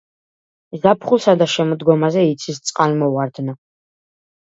ზაფხულსა და შემოდგომაზე იცის წყალმოვარდნა.